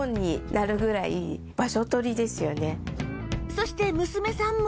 そして娘さんも